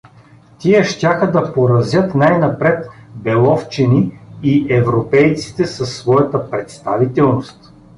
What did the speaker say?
Тия щяха да поразят най-напред беловчени и европейците със своята представителност.